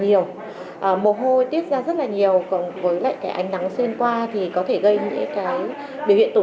nhiều mồ hôi tiết ra rất là nhiều còn với lại cái ánh nắng xuyên qua thì có thể gây những cái biểu